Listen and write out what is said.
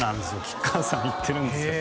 吉川さん行ってるんですよ